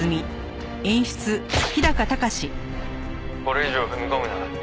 これ以上踏み込むな。